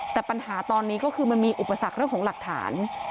แต่ปัญหาตอนนี้ก็คือมันมีอุปสรรคเรื่องของหลักฐาน